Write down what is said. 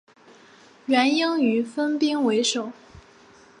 元英于是分兵围守。